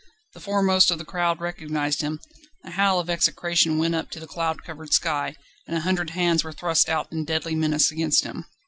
The foremost of the crowd recognised him; a howl of execration went up to the cloud covered sky, and a hundred hands were thrust out in deadly menace against him.